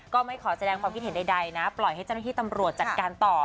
ก็ไม่จะคอแสดงความคิดเห็นใดนะพอให้จำนวนที่จัดการต่อ